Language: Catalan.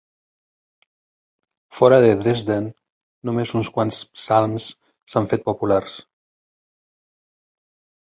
Fora de Dresden, només uns quants Psalms s'han fet populars.